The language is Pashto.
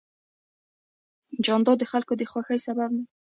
جانداد د خلکو د خوښۍ سبب دی.